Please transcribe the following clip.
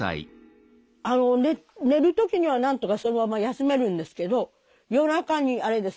寝る時にはなんとかそのまま休めるんですけど夜中にあれですね